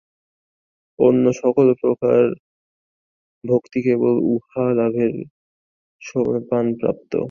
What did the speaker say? অন্য সকল প্রকার ভক্তি কেবল উহা লাভের সোপানমাত্র।